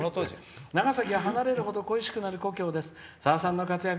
「長崎は離れるほど恋しくなる故郷です。